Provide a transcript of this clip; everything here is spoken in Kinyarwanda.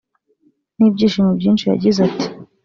n’ibyishimo byinshi yagize ati